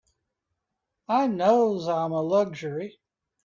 I knows I'm a luxury.